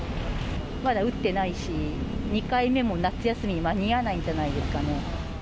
まだ打ってないし、２回目も、夏休み間に合わないんじゃないですかね。